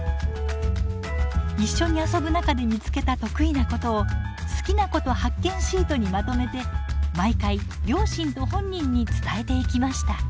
一緒に遊ぶ中で見つけた得意なことを「好きなこと発見シート」にまとめて毎回両親と本人に伝えていきました。